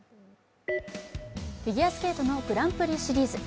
フィギュアスケートのグランプリシリーズ。